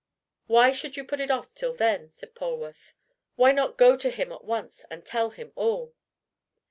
"Why should you put it off till then?" said Polwarth. "Why not go to him at once and tell him all?"